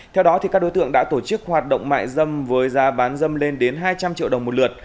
theo đó các đối tượng đã tổ chức hoạt động mại dâm với giá bán dâm lên đến hai trăm linh triệu đồng một lượt